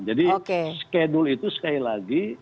jadi skedul itu sekali lagi